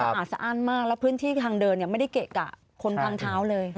สะอาดสะอ้านมากแล้วพื้นที่ทางเดินไม่ได้เกะกะคนทางเท้าเลย